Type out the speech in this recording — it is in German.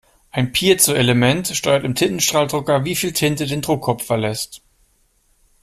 Ein Piezoelement steuert im Tintenstrahldrucker, wie viel Tinte den Druckkopf verlässt.